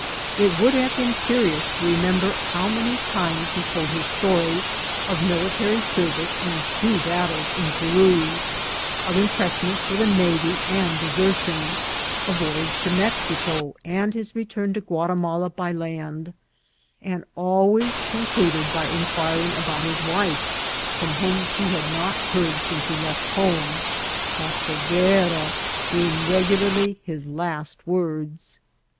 It would have been cu* rious to remember how many times he told his story : of military service and two battles in P^ra ; of impress ment for the nayy and desertion ; a Toyage to Mexico, and his return to Ouatimala by land ; and always con cluded by inquiring about his wife, from wfamai he had not heard since he left home, '^ la povera" being rego laiiy his last words.